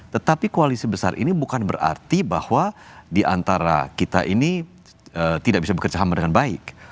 tetapi koalisi besar ini bukan berarti bahwa diantara kita ini tidak bisa bekerja sama dengan baik